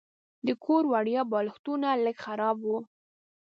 د کور وړیا بالښتونه لږ خراب وو.